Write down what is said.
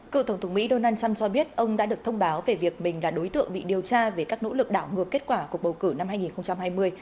cựu tổng thống mỹ donald trump cho biết ông đã được thông báo về việc mình là đối tượng bị điều tra về các nỗ lực đảo ngược kết quả cuộc bầu cử năm hai nghìn hai mươi